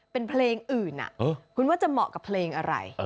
เป็นเพลงอื่นคุณว่าจะเหมาะกับเพลงอะไร